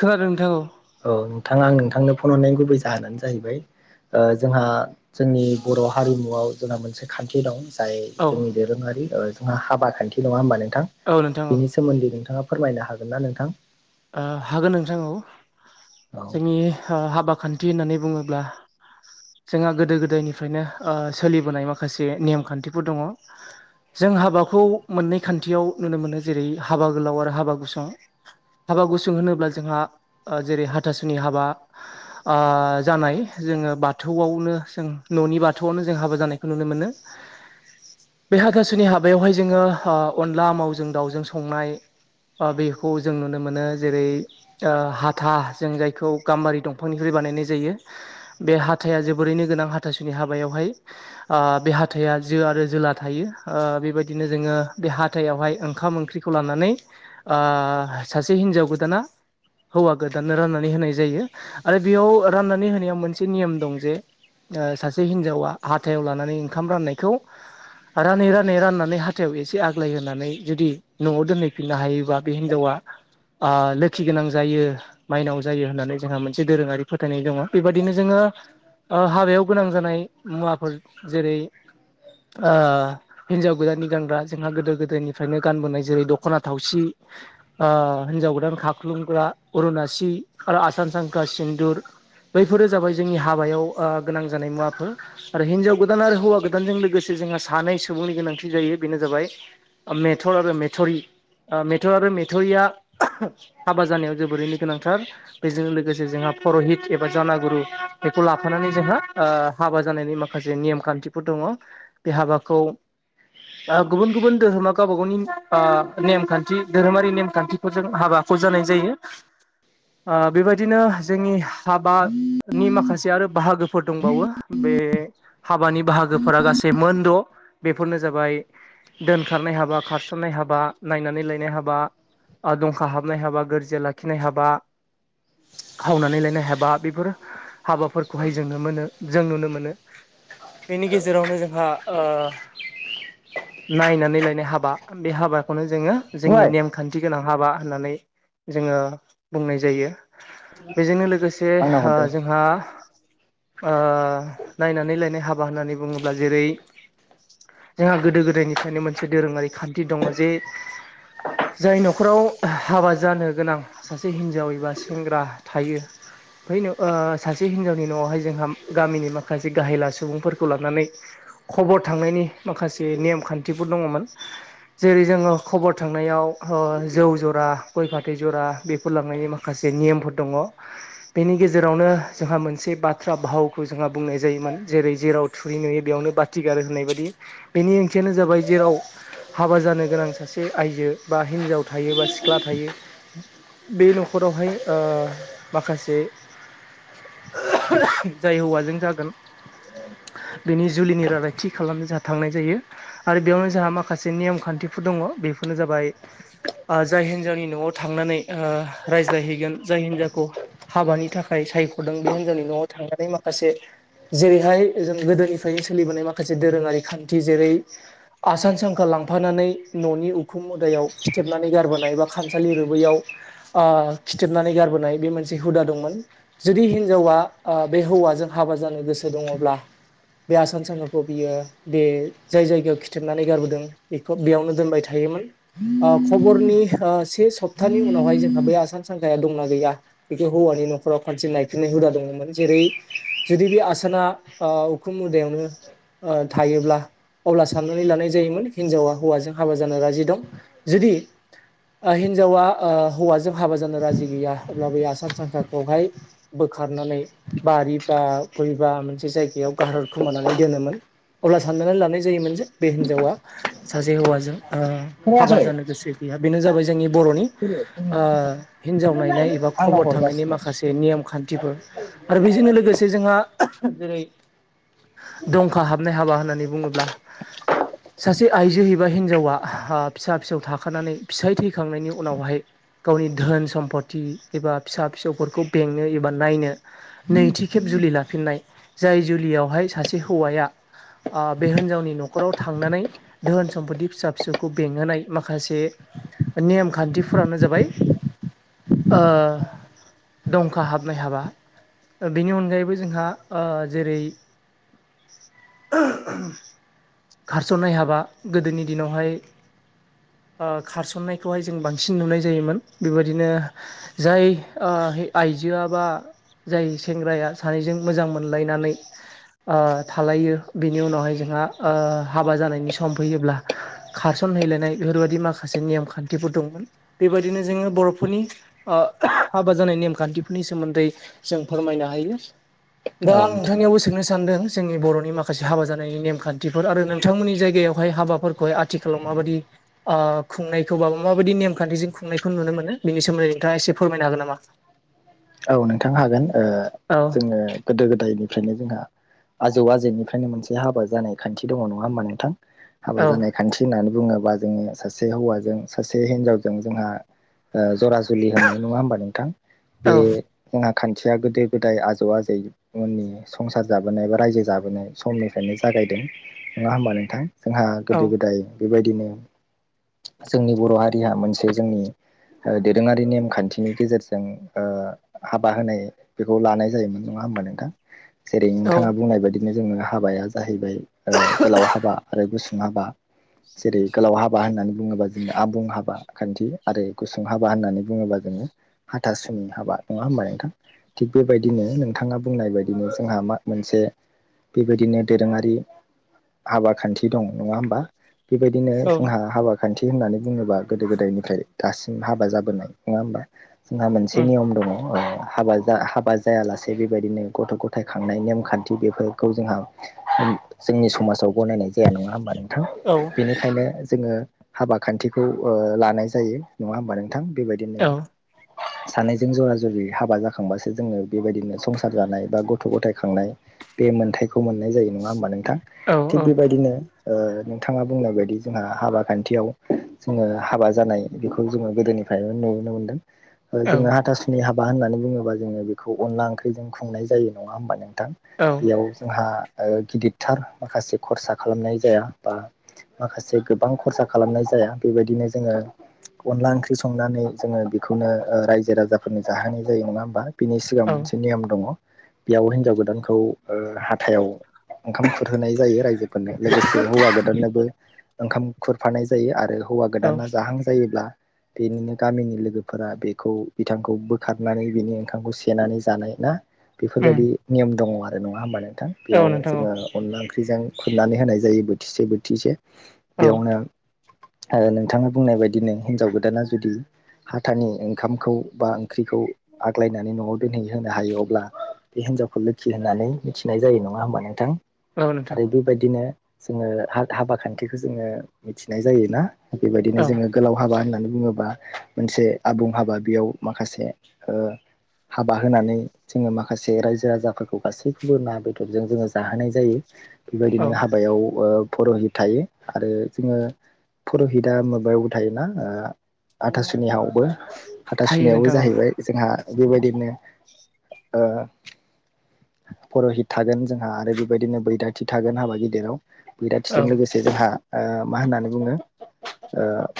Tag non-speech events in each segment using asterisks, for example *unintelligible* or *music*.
खोनादों नोंथां औ औ नोंथाङा आं नोंथांनो फन हरनायनि गुबै जाहोनानो जाहैबाय जोंहा जोंनि बर' हारिमुआव जोंहा मोनसे खान्थि दं जाय जोंनि औ दोरोङारि जोंहा हाबा खान्थि नङा होमबा नोंथां औ नोंथां औ बिनि सोमोन्दै नोंथाङा फोरमायनो हागोन ना नोंथां हागोन नोंथां औ औ जोंनि हाबा खान थि होननानै बुङोब्ला जोंहा गोदो गोदायनिफ्रायनो सोलिबोनाय माखासे नेमखान्थिफोर दङ जों हाबाखौ मोननै खान्थियाव नुनो मोनो जेरै हाबा गोलाव आरो हाबा गुसं हाबा गुसुं होनोब्ला जोंहा जेरै हाथासुनि हाबा जानाय जों बाथौआवनो जों न'नि बाथौआवनो जों हाबा जानायखौ नुनो मोनो बे हाथासुनि हाबायावहाय जोङो अनला आमावजों दाउजों संनाय बेखौ जोङो नुनो मोनो जेरै हाथा जों जायखौ गाम्बारि दंफांनिफ्राय बानायनाय जायो बे हाथाया जोबोरैनो गोनां हाथासुनि हाबायावहाय बे हाथाया जो आरो जोला थायो बेबायदिनो जोङो बे हाथायावहाय ओंखाम ओंख्रिखौ लानानै सासे हिनजाव गोदाना हौवा गोदाननो राननानै होनाय जायो आरो बेयाव राननानै होनाया मोनसे नियम दं जे सासे हिनजावा हाथायाव लानानै ओंखाम राननायखौ रानै रानै राननानै हाथायाव एसे आग्लाय होनोनानै जुदि न'आव दोनहैफिननो हायोबा बे हिनजावा *inaudible* लोखि गोनां जायो माइनाव जायो होननानै जोंहा मोनसे दोरोङारि फोथायनाय दङ बेबायदिनो जोङो हाबायाव गोनां जानाय मुवाफोर जेरै ओ हिनजाव गोदाननि गानग्रा जोंहा गोदो गोदायनिफ्रायनो गानबोनाय जेरै दख'ना थावसि *inaudible* ओ हिन्जाव गोदान खाख्लुमग्रा अरुनासि आरो आसान सांखा सिन्दुर बैफोरो जाबाय जोंनि हाबायाव ओ गोनां जानाय मुवाफोर आरो हिनजाव गोदान आरो हौवा गोदानजों लोगोसे जोंहा सानै सुबुंनि गोनांथि जायो बेनो जाबाय मेथर आरो मेथरि अ मिथर आरो मे रिया हाबा जानायाव जोबोरैनो गोनांथार बेजों लोगोसे जोंहा परहित एबा जा ना गुरु बेखौ लाफानानै जोंहा ओ हाबा जानायनि माखासे नेम खान्थिफोर दङ बे हाबा खौ गुबुन गुबुन धोरोमा गावबा गावनि ओ नेमखान्थि धोरोमारि ने खान्थिफोरजों हाबाखौ जानाय जायो ओ बेबायदिनो जोंनि साबानि माखासे आरो बाहागोफोर दंबावो बे हाबानि बाहागोफोरा गासै मोनद' बेफोर नो जाबाय दोनखारनाय हाबा खारसननाय हाबा नायनानै लायनाय हाबा दंखा हाबनाय हाबा गोरजि लाखिनाय हाबा *inaudible* खावनानै लायनाय हाबा बेफोर हाबाफोरखौहाय जोङो मोनो जों नुनो मोनो बेनि गेजेरावनो जोंहा ओ नायनानै लायनाय हाबा बे हाबाखौनो जोङो जोंनि ओइ नेम खान्थि गोनां हाबा होननानै जोङो बुंनाय जायो बेजोंनो लोगो लोगोसे आंनाव ओ हरदोंमोन जोंहा ओ नायनानै लायनाय हाबा होननानै बुङोब्ला जेरै जोंहा गोदो गोदायनिफ्रायनो मोनसे दोरोङारि खान्थि दङ जे जाय न'खराव हाबा जानो गोनां सासे हिनजाव एबा सेंग्रा थायो ओ सासे हिनजावनि न'वावहाय जोंहा गामिनि माखासे गाहेला सुबुंफोरखौ लानानै खबर थांनायनि माखासे नेम खान्थिफोर दङमोन जेरै जोङो खबर थांनायाव ओ जौ जरा गय फाथै जरा बेफोर लांनायनि माखासे नियमफोर दङ बेनि गेजेरावनो जोंहा मोनसे बाथ्रा भावखौ जोंहा बुंनाय जायोमोन जेरै जेराव थुरि नुयो बेयावनो बाथि सिगारो होनाय बायदि बेनि ओंथियानो जाबाय जेराव हाबा जानो गोनां सासे आइजो बा हिनजाव थायो बा सिख्ला थायो बे न'खरावहाय ओ माखासे जाय हौवाजों जागोन बेनि जुलिनि रादाय थि खालामनो जोंहा थांनाय जायो आरो बेयावनो जोंहा माखासे नेम खान्थि फोर दङ बेफोरनो जाबाय ओ जाय हिनजावनि न'वाव थांनानै ओ रायज्लायहैगोन जाय हिन्जावखौ हाबानि थाखाय सायख'दों बे हिनजावनि न'वाव थांजानाय माखासे जेरैहाय जों गोदोनिफ्रायनो सोलिबोनाय माखासे दोरोङारि खान्थि जेरै आसानसांखा लां लांफानानै न'नि उखुम मुदायाव खिथेबनानै गारबोनाय बा खामसालि रोबैयाव ओ खिथेबनानै गारबोनाय बे मोनसे हुदा दंमोन जुदि हिनजावा ओ बे हौवाजों हाबा जानो गोसो दङब्ला बे आसान सांखाखौ बियो बे जाय जायगायाव खिथेबनानै गारबोदों बेखौ बेयावनो दोनबाय थायो *unintelligible* खबरनि से सप्तानि उनावहाय जोंहा बे आसाम सांखाया दंना गैया बेखौ हौवानि न' खराव खनसे नायफैनाय हुदा दङमोन जेरै जुदि बे आसाना उखुम मुदायावनो ओ थायोब्ला अब्ला साननानै लानाय जायोमोन हिनजावा हौवाजों हाबा जानो राजि दं जुदि ओ हिनजावा ओ हौवाजों हाबा जानो राजि गैया अब्लाबो आसान सांखाखौहाय बो खारनानै बारि बा गयबा मोनसे जायगायाव गार खोमानानै दोनोमोन अब्ला साननानै लानाय जायोमोन जे बे हिनजावा सासे हौवाजों ओ हाबा खोनायाखै जानो गोसो गैया बेनो जाबाय जोंनि बर'नि ओ हिनजाव नाय एबा आंनाव खबर थांनायनि हरगासिनो माखासे नियम खान्थिफोर आरो बेजोंनो लोगोसे जोंहा जेरै दंखा हाबनाय हाबा होननानै बुङोब्ला सासे आइजो एैबा हिनजावा फिसा फिसौ थाखानानै फिसाय थैखांनायनि उनावहाय गावनि धोन सम्पति एबा फिसा फिसौफोरखौ बेंनो एबा नायनो नैथि खेब जुलि लाफिननाय जाय जुलियावहाय सासे हौवाया बे हिनजावनि न'खराव थांनानै दोहोन सम्फति फिसा फिसौखौ बेंहोनाय माखासे नेम खान्थिफोरानो जाबाय दंखा हाबनाय हाबा बेनि अनगायैबो जोंहा जेरै खारस'नाय हाबा गोदोनि दिनावहाय *inaudible* खारसननायखौहाय जों बांसिन नुनाय जायोमोन बेबायदिनो जाय आइजोआ बा जाय सेंग्राया सानैजों मोजां मोनलायनानै थालायो बेनि उनावहाय जोंहा हाबा जानायनि सम फैयोब्ला खार सनहैलायनाय बेफोरबायदि माखासे नेयम खान्थिफोर दंमोन बेबायदिनो जोङो बर'फोरनि ओ हाबा जानाय नेमखान्थिफोरनि सोमोन्दै जों फोरमायनो हायो दा औ आं नोंथां नोंथांनियावबो सोंनो सानदों जोंनि बर'नि माखासे हाबा जानायनि नेमखान्थिफोर आरो नोंथांमोननि जायगायावहाय हाबाफोरखौहाय आथि खालाव माबायदि ओ खुंनायखौ बा माबायदि नेमखान्थिजों खुंनायखौ नुनो मोनो बेनि सोमोन्दै नोंथाङा एसे फोरमायनो हागोन नामा? औ नोंथां हागोन औ जोङो गोदो गोदायनिफ्रायनो जोंहा आजौ आजैनिफ्रायनो मोनसे हाबा जानाय खान्थि दङ नङा होमबा नोंथां हाबा औ जानाय खान्थि होननानै बुङो बा जोङो सासे हौवाजों सासे हिनजाव जों जोंहा जरा जुलि होनाय नङा होमबा नोंथां बे औ जोंहा खान्थिया गोदो गोदाय आजौ आजैमोननि संसार जाबोनाय बा रायजो जाबोनाय समनिफ्रायनो जा गायदों नङा होमबा नोंथां जोंहा गोदो औ गोदाय बेबायदिनो जोंनि बर' हारिया मोनसे जोंनि दोरोङारि नेमखान्थिनि गेजेरजों ओ हाबा होनाय बेखौ लानाय जायोमोन नङा होमबा नोंथां जेरै औ नोंथाङा बुंनाय बायदि जों हाबाया जाहैबाय गोलाव हाबा आरो गुसुं हाबा जेरै गोलाव हाबा होननानै बुङोबा जोङो आबुं हाबा खान्थि आरो गुसुं हाबा होननानै बुङोबा जों हाथासुनि हाबा नङा होमबा नोंथां थिग बेबायदिनो नोंथाङा बुंनाय बायदिनो जोंहा मा मोनसे बेबायदिनो दोरोङारि हाबा खान्थि दं नङा होमबा बेबायदिनो औ जोंहा हाबा खान्थि होननानै बुङोबा गोदो गोदायनिफ्राय दासिम हाबा जाबोनाय नङा होमबा जोंहा मोनसे उम नियम दङ ओ हाबा जा हाबा जायालासे बेबायदिनो गथ' गथाय खांनाय नेमखान्थि बेफोरखौ जोंहा जोंनि समाजाव गनायनाय जाया नङा होमबा नोंथां औ बेनिखायनो जोङो हाबा खान्थिखौ लानाय जायो नङा होमबा नोंथां बेबायदिनो औ सानैजों जरा जरि हाबा जाखांबासो जोङो बेबायदिनो संसार जानाय बा गथ' गथाय खांनाय बे मोनथायखौ मोननाय जायो नङा होमबा नोंथां औ थिग बेबायदिनो ओ नोंथाङा बुंनाय बायदि जोंहा हाबा खान्थियाव जोङो हाबा जानाय बेखौ जोङो गोदोनि फ्राय नुबोनो मोनदों औ जोङो हाथासुनि हाबा होननानै बुङोबा जोङो बेखौ अनला ओंख्रिजों खुंनाय जायो नङा होमबा नों थां औ बेयाव जोंहा गिदिरथार माखासे खरसा खालामनाय जाया बा माखासे गोबां खरसा खालामनाय जा या बेबायदिनो जोङो अनला ओंख्रि संनानै जोङो बेखौनो रायजो राजाफोरनो जाहोनाय जायो नङा होमबा बिनि सिगां औ मोनसे नियम दङ बेयाव हिन्जाव गोदानखौ हाथायाव ओंखाम खुरहोनाय जायो रायजोफोरनो लोगोसे हौवा गोदाननोबो ओंखाम खुरफानाय जायो आरो हौवा औ गोदाना जाहां जायोब्ला बेनिनो गामिनि लोगोफोरा बे खौ बिथांखौ बोखारनानै बिनि ओंखामखौ सेनानै जानाय ना उम बेफोरबायदि नियम दङ आरो आरो नङा होमबा नोंथां औ बेयाव नोंथां जोङो औ अनला ओंख्रिजों खुरनानै होनाय जायो बोथिसे बोथिसे बेयावनो औ नोंथाङा बुंनाय बायदिनो हिनजाव गोदाना जुदि हाथानि ओंखामखौ बा ओंख्रिखौ आग्लायनानै न'आव दोनहै होनो हायो अब्ला बे हिनजावखौ लोखि होननानै मिथिनाय जायो नङा होमबा नोंथां औ नोंथां आरो बेबायदिनो जोङो हाबा खान्थिखौ जोङो मिथिनाय जायोना बेबायदिनो औ जोङो गोलाव हाबा होननानै बुङोबा मोनसे आबुं हाबा बेयाव माखासे हाबा होनानै जोङो माखासे रायजो राजाफोरखौ गासैखौबो ना बेदरजों जोङो जाहोनाय जायो औ बेबायदिनो हाबायाव परहित थायो आरो जोङो पुरहितआ माबायावबो थायोना ओ हाथासुनियावबो थायो हाथासुनियावबो नोंथां औ जाहैबाय जोंहा बेबायदिनो ओ पुर'हित थागोन जोंहा आरो बेबायदिनो बैराथि थागोन हाबा गिदिराव औ बिराथिजों लोगोसे जोंहा ओ मा होननानै बुङो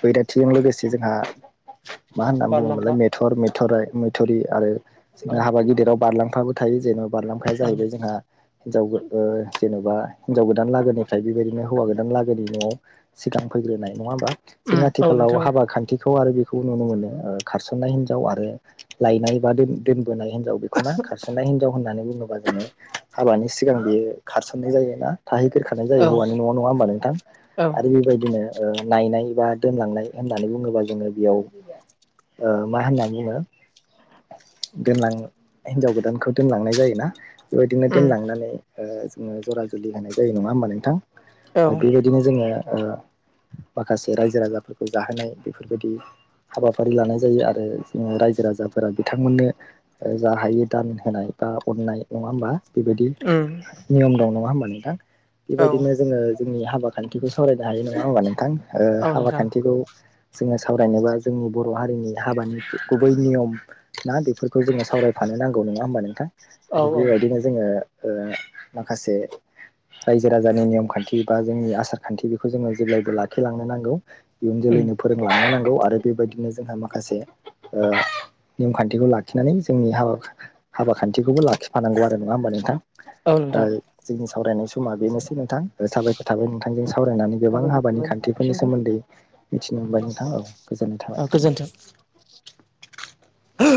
बैराथिजों लोगोसे जोंहा मा होनना बारलाम्फा बुङोमोनलाय मेथर मेथराइ मेथुरि आरो औ जोङो हाबा गिदिराव बारलांफाबो थायो जेनबा बारलामफाया औ जाहैबाय जोंहा हिनजाव जेनबा हिनजाव गोदान लागोनिफ्राय बेबायदिनो हौवा गोदान लागोनि न'आव सिगां फैग्रोनाय नङा होमबा जों उम औ आथिखालाव नोंथां औ हाबा खान्थिखौ आरो बेखौ नुनो मोनो खारसननाय हिनजाव आरो लायनाय बा दोन‌ दोन बोनाय हिनजाव बेखौना खारसननाय हिनजाव होननानै बुङोबा जोङो हाबानि सिगां बियो खारसननाय जायोना थाहैग्रोखानाय जायो औ हौवानि न'आव नङा होमबा नोंथां? औ आरो बेबायदिनो नायनाय बा दोनलांनाय होननानै बुङोबा जोङो बेयाव ओ मा होननानै बुङो दोनलांयो हिनजाव गोदानखौ दोनलांनाय जायोना। बेबायदिनो उम दोनलांनानै जोङो जरा जुलि होनाय जायो नङा होमबा नोंथां? औ बेबायदिनो जोङो ओ माखासे रायजो राजाफोरखौ जाहोनाय बेफोरबायदि हाबा फारि लानाय जायो आरो रायजो राजाफोरा बिथांमोननो जा हायो दान होनाय बा नाय नङा होमबा बेबायदि उम नियम दं नङा होमबा नोंथां? औ बेबायदिनो जोङो जोंनि हाबा खान्थिखौ सावरायनो हायो नङा होनोमब्ला नोंथां औ हाबा नोंथां खान्थिखौ जोङो सावरायनोबा जोंनि बर' हारिनि हाबानि गुबै नियम ना बेफोरखौ जोङो सावरायफानो नांगौ नङा होमबा नोंथां? औ आरो औ बेबायदिनो जोङो ओ माखासे रायजो राजानि नियम खान्थि बा जोंनि आसार खान्थि बेखौ जोङो जेब्लायबो लाखिलांनो नांगौ। इयुन उम जोलैनो फोरोंलांनो नांगौ आरो बेबायदि बिदिनो जोंहा माखासे ओ नेमखान्थिखौ लाखिनानै जोंनि हाबा हाबा खान्थिखौबो लाखिफानांगौ आरो नङा होमबा नोंथां? औ ओ नोंथां जोंनि सावरायनाय समा बेनोसै नोंथां साबायखर। थाबाय नोंथांजों सावरायनानै गोबां साबायखर हाबानि थाबाय खान्थिफोरनि नोंथांनिसिमबो सोमोन्दै मिथिनो मोनबाय नोंथां औ गोजोननाय थाबाय। गोजोन्थों।